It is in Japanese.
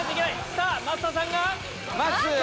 さぁ増田さんが。